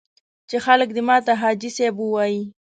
چې خلک دې ماته حاجي صاحب ووایي.